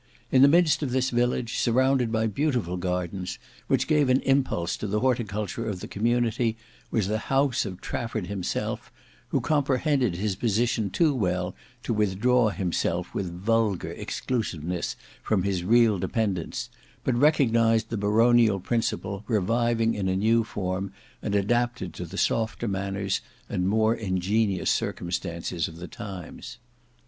In the midst of this village, surrounded by beautiful gardens, which gave an impulse to the horticulture of the community, was the house of Trafford himself, who comprehended his position too well to withdraw himself with vulgar exclusiveness from his real dependents, but recognized the baronial principle reviving in a new form, and adapted to the softer manners and more ingenious circumstances of the times.